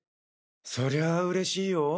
そりゃ嬉しいよ。